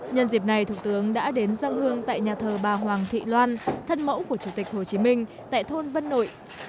nhân dịp này thủ tướng đã đến dâng hương tại nhà thờ bà hoàng thị loan thân mẫu của chủ tịch hồ chí minh tại thôn vân nội xã hồng tiến huyện hòa châu